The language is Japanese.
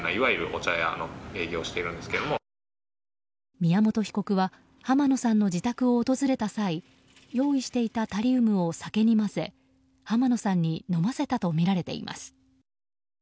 宮本被告は濱野さんの自宅を訪れた際用意していたタリウムを酒に混ぜ濱野さんに飲ませたとみられています。